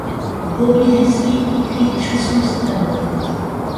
Bobby Heatlie écrit les chansons de cet album.